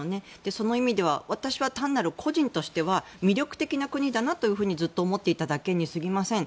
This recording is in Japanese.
その意味では個人としては、魅力的な国だなとずっと思っていただけにすぎません。